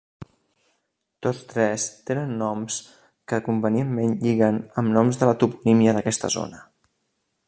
Tots tres tenen noms que convenientment lliguen amb noms de la toponímia d'aquesta zona.